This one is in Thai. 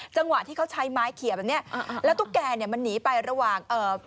จังหวะที่เขาใช้ไม้เขียแบบเนี้ยอ่าแล้วตุ๊กแกเนี่ยมันหนีไประหว่างเอ่อ